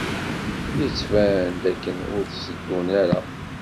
Yettban-d dakken ur tteddun ara.